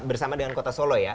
bersama dengan kota solo ya